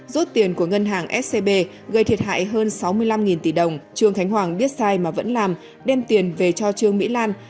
rút tiền của ngân hàng scb gây thiệt hại hơn sáu mươi năm tỷ đồng trương khánh hoàng biết sai mà vẫn làm đem tiền về cho trương mỹ lan